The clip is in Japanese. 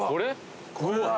これ？